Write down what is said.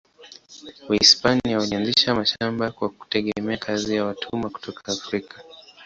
Wahispania walianzisha mashamba kwa kutegemea kazi ya watumwa kutoka Afrika.